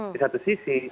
di satu sisi